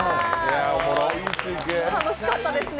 楽しかったですね。